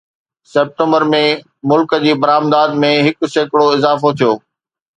September ۾، ملڪ جي برآمدات ۾ هڪ سيڪڙو اضافو ٿيو